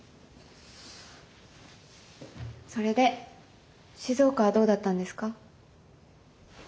それで静岡はどうだったんですか？